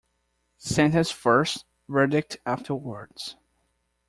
Sentence first—verdict afterwards.